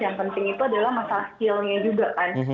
yang penting itu adalah masalah skillnya juga kan